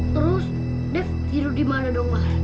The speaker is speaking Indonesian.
terus dev hidup dimana dong